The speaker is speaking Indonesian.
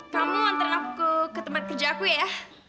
kamu antar aku ke tempat kerja aku ya